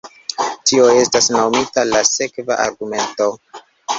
Tio estas nomita la sekva argumento.